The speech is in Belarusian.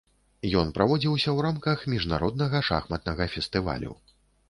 Ён праводзіўся ў рамках міжнароднага шахматнага фестывалю.